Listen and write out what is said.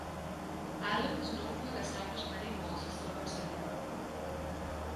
Alam was known to have established many mosques throughout Sylhet.